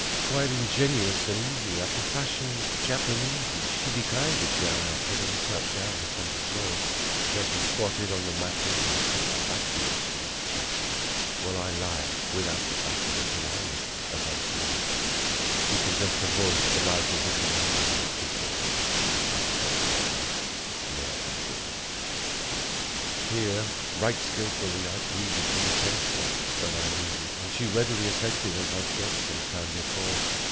Quite ingenuous and easy, after fashion Japanesey, She declined the chair I offered and sat down upon the floor. There she squatted on the matting and kept vacu ously chatting, While I lied without the batting of an eyelid as I swore She possessed a voice the like of which was never heard before; (Outside madhouse) ne'er before. Here, right skillfully I pleaded for the ten spot that I needed, And she readily assented, as I'd guessed some time before.